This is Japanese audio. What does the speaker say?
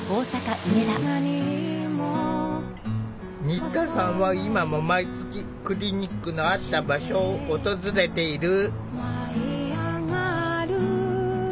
新田さんは今も毎月クリニックのあった場所を訪れている。